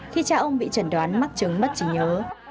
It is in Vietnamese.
khi cha ông bị chẩn đoán mắc chứng mất trí nhớ